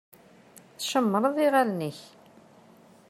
Tcemmṛeḍ iɣallen-ik.